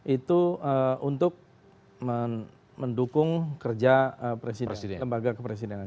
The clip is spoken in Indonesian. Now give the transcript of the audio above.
itu untuk mendukung kerja presiden lembaga kepresidenan